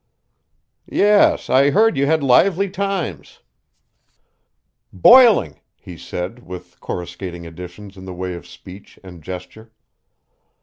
"Yes, I heard you had lively times." "Boiling," he said, with coruscating additions in the way of speech and gesture.